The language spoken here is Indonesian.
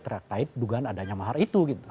terkait dugaan adanya mahar itu gitu